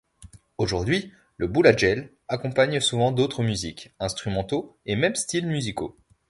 Aujourd’hui, le bouladjel accompagne souvent d’autres musiques, instruments et même styles musicaux.